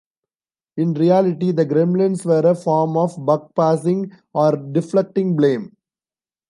In reality, the gremlins were a form of "buck passing" or deflecting blame.